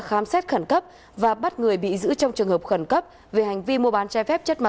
thu giữ khẩn cấp và bắt người bị giữ trong trường hợp khẩn cấp về hành vi mua bán chai phép chất ma